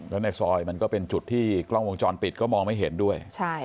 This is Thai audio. แล้วในซอยมันก็เป็นจุดที่กล้องวงจรปิดก็มองไม่เห็นด้วย